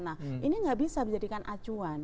nah ini nggak bisa dijadikan acuan